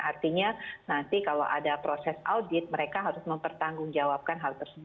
untuk melakukan audit mereka harus mempertanggung jawabkan